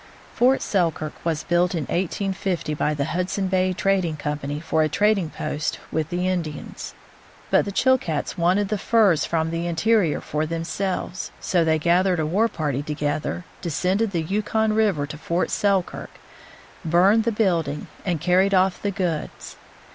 Fort Selkirk was built in 1850 by the Hudson Bay Trad^ ing Company for a trading post with the Indians. But LIEUTENANT SCHWATKA IN ALASKA 99 the Chilkats wanted the furs from the interior for them selves ; so they gathered a war party together, descended the Yukon river to Fort Selkirk, burned the building, and carried off the goods.